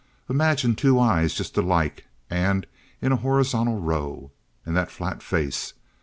Imagine two eyes just alike, and in a horizontal row. And that flat face.